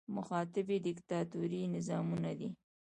مخاطب یې دیکتاتوري نظامونه دي.